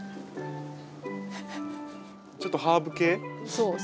ちょっとハーブ系？